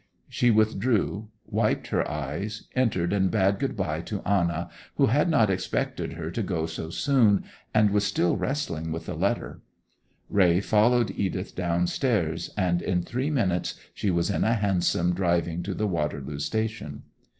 She withdrew, wiped her eyes, entered and bade good bye to Anna, who had not expected her to go so soon, and was still wrestling with the letter. Raye followed Edith downstairs, and in three minutes she was in a hansom driving to the Waterloo station.